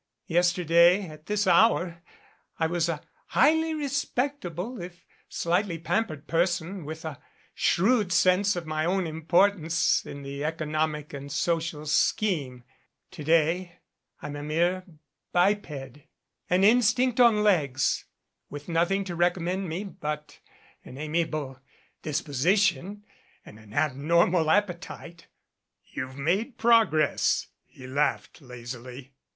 Yesterday at this hour I was a highly respectable if slightly pampered person with a shrewd sense of my own importance in the economic and social scheme; to day I'm a mere biped an instinct on legs, with nothing to recommend me but an amiable disposition and an ab normal appetite." "You've made progress," he laughed lazily.